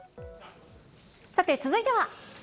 さて、続いては。